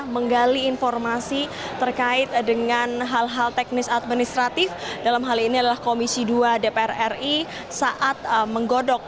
menggali informasi terkait dengan hal hal teknis administratif dalam hal ini adalah komisi dua dpr ri saat menggodok